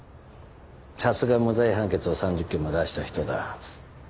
さすが無罪判決を３０件も出した人だ。